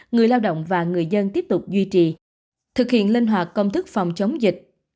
người lao động và người dân tiếp tục duy trì thực hiện linh hoạt công thức phòng chống dịch